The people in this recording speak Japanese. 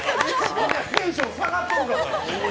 みんなテンション下がってるからな！